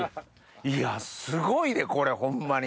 いやすごいでこれホンマに。